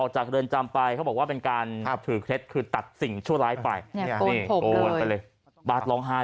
แบบโรงพิษบาดร้องไห้เลยนะ